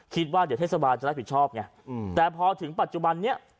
คิดว่าเดี๋ยวเทศบาลจะรับผิดชอบไงแต่พอถึงปัจจุบันนี้